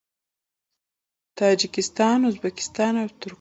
تاجکستان، ازبکستان او ترکمنستان